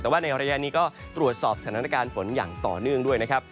แต่ว่าในระยะนี้ก็ตรวจสอบสถานการณ์ฝนอย่างต่อเนื่องด้วยนะครับ